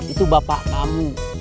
itu bapak kamu